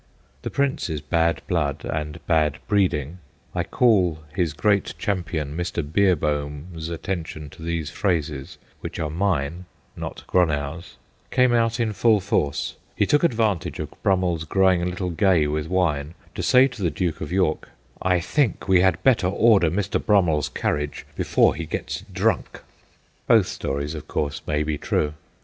The Prince's bad blood and bad breeding I call his great champion Mr. Beerbohm's attention to these phrases, which are mine, not Gronow's came out in full force : he took advantage of BrummeH's growing a little gay with wine to say to the Duke of York, ' I think we had better order Mr. Brummeirs carriage before he gets drunk.' 50 THE GHOSTS OF PICCADILLY Both stories, of course, may be true.